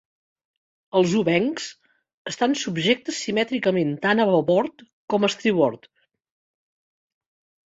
Els obencs estan subjectes simètricament tant a babord com a estribord.